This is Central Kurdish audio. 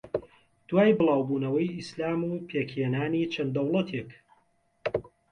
دوای بڵاوبونەوەی ئیسلام و پێکھێنانی چەند دەوڵەتێک